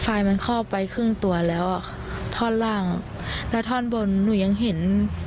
ไฟมันคอบไปครึ่งตัวแล้วอ่ะค่ะท่อนล่างแล้วท่อนบนหนูยังเห็น